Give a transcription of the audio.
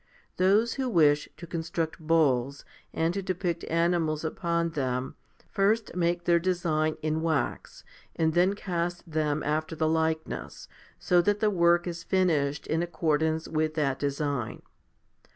Those who wish to construct bowls, and to depict animals upon them, first make their design in wax, and then cast them after the likeness, so that the work is finished in accordance with that design.